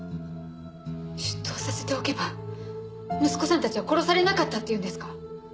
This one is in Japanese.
出頭させておけば息子さんたちは殺されなかったっていうんですか？